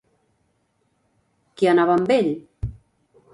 Qui anava amb ell?